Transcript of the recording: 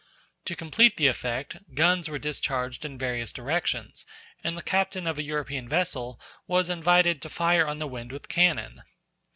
To complete the effect, guns were discharged in various directions, and the captain of a European vessel was invited to fire on the wind with cannon.